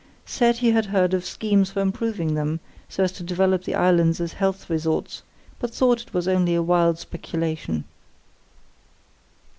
Said he had heard of schemes for improving them, so as to develop the islands as health resorts, but thought it was only a wild speculation.